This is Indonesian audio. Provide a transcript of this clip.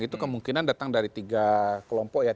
itu kemungkinan datang dari tiga kelompok ya